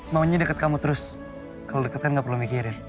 maunya dekat kamu terus kalau deket kan gak perlu mikirin